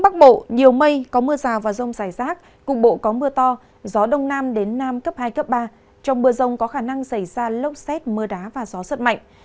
trong mưa rông có khả năng xảy ra lốc xét mưa đá và gió sật mạnh